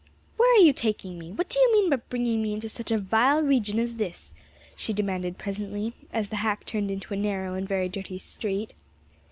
"Where are you taking me? What do you mean by bringing me into such a vile region as this?" she demanded presently, as the hack turned into a narrow and very dirty street.